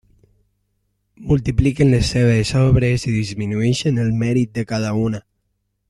Multipliquen les seves obres i disminueixen el mèrit de cada una.